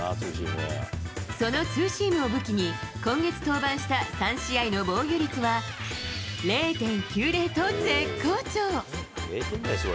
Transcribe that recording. そのツーシームを武器に、今月登板した３試合の防御率は、０．９０と絶好調。